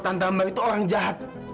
tante ambel itu orang jahat